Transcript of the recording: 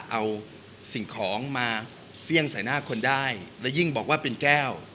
เอาสิ่งของมาเฟี่ยงใส่หน้าคนได้และยิ่งบอกว่าเป็นแก้ว